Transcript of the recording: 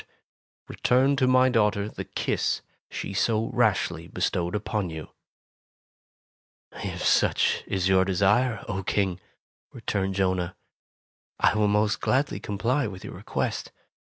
Tales of Modern Germany 71 return to my daughter the kiss she so rashly bestowed upon you/' 'Mf such is your desire, O King," re turned Jonah, will most gladly comply with your request.